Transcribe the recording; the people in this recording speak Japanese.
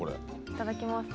いただきます。